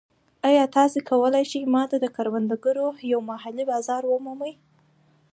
ایا تاسو کولی شئ ما ته د کروندګرو یو محلي بازار ومومئ؟